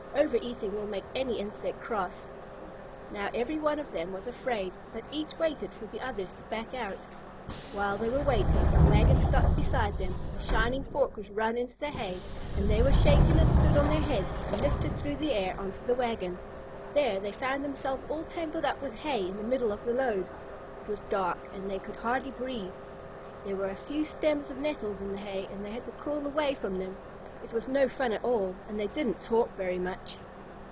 Overeating will make any insect cross. Now every one of them was afraid, but each waited for the others to back out. While they were waiting, the wagon stopped beside them, the shining fork was run into the hay, and they were shaken and stood on their heads and lifted through the air on to the wagon. There they found themselves all tangled up with hay in the middle of the load. It was dark and they could hardly breathe. There were a few stems of nettles in the hay, and they had to crawl away from them. It was no fun at all, and they didn't talk very much.